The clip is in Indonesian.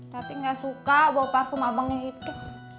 tapi gak suka bawa parfum abangnya gitu